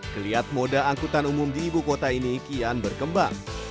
keliat moda angkutan umum di ibu kota ini kian berkembang